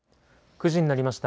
９時になりました。